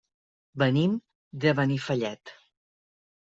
Venim de Benifallet.